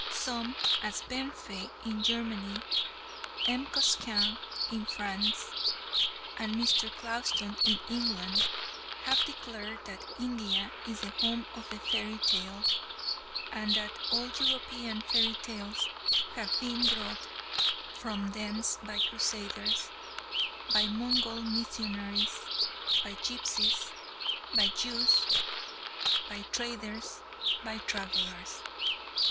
Some as Benfey in Germany, M. Cosquin in France, and Mr. Clouston in England have declared that India is the Home of the Fairy Tale, and that all European fairy tales have been brought from thence by Crusaders, by Mongol missionaries, by Gipsies, by Jews, by traders, by travellers.